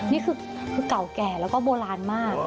นี่คือเก่าแก่แล้วก็โบราณมาก